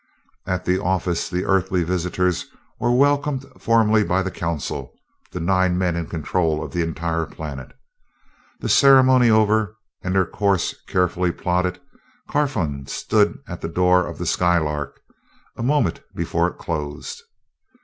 At the office, the earthly visitors were welcomed formally by the Council the nine men in control of the entire planet. The ceremony over and their course carefully plotted, Carfon stood at the door of the Skylark a moment before it closed.